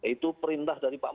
itu perintah dari pak